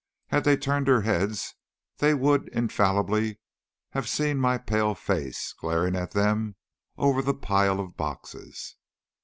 Had they turned their heads they would infallibly have seen my pale face glaring at them over the pile of boxes.